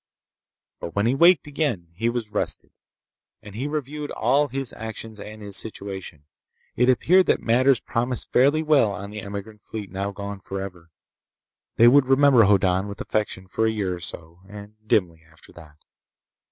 But when he waked again he was rested, and he reviewed all his actions and his situation. It appeared that matters promised fairly well on the emigrant fleet now gone forever. They would remember Hoddan with affection for a year or so, and dimly after that.